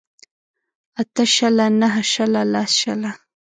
اته شله نهه شله لس شله